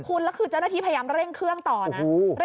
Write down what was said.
คุณแล้วคือเจ้าหน้าที่พยายามเร่งเครื่องต่อนะ